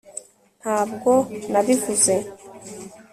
ntabwo nabivuze